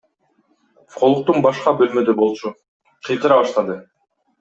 Колуктум башка бөлмөдө болчу, кыйкыра баштады.